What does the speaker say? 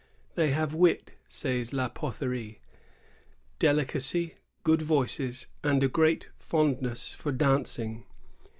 "They have wit," says La Potherie, "deli cacy, good voices, and a great fondness for dancing.